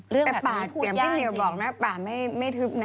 แต่ป่าเสียงพี่เหี่ยวบอกนะป่าไม่ทึบนะ